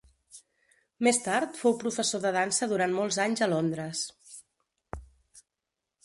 Més tard fou professor de dansa durant molts anys a Londres.